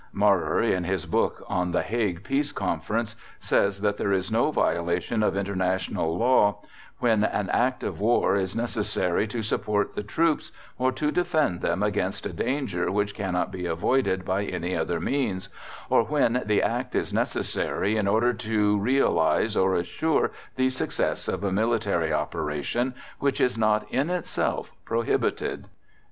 Meurer, in his book on the Hague Peace Conference, says that there is no violation of international law "when an act of war is necessary to support the troops or to defend them against a danger which cannot be avoided by any other means, or when the act is necessary in order to realize or assure the success of a military operation which is not in itself prohibited."